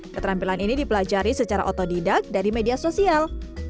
keterampilan ini dipelajari secara otodidak dari media sosial